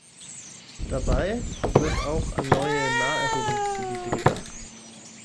Dabei wird auch an neue Naherholungsgebiete gedacht.